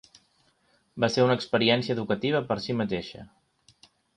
Va ser una experiència educativa per si mateixa.